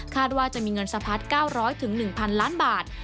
ว่าจะมีเงินสะพัด๙๐๐๑๐๐ล้านบาท